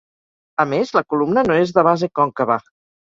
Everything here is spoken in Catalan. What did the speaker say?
A més, la columna no és de base còncava.